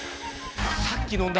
さっきのんだ